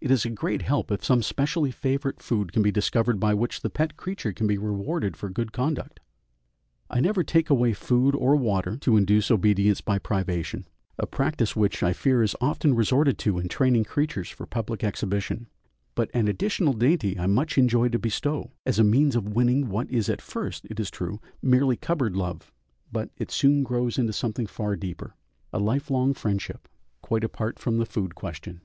It is a great help if some specially favourite food can be discovered by which the pet creature can be rewarded for good conduct. I never take away food or water to induce obedience by privation a practice which I fear is often resorted to in training creatures for public exhibition but an additional dainty I much enjoy to bestow, as a means of winning what is at first, it is true, merely cupboard love, but it soon grows into something far deeper, a lifelong friendship, quite apart from the food question.